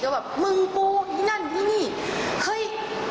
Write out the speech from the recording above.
ก็แบบมึงปูที่นั่นที่นี่เฮ้ย